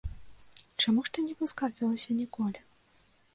Чаму ж ты не паскардзілася ніколі?